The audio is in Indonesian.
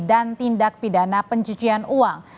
dan tindak pidana pencucian uang